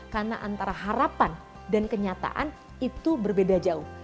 karena antara harapan dan kenyataan itu berbeda jauh